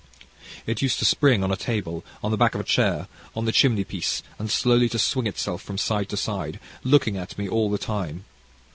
"It used to spring on a table, on the back of a chair, on the chimney piece, and slowly to swing itself from side to side, looking at me all the time.